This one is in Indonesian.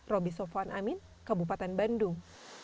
roby sofwan amin kabupaten bandung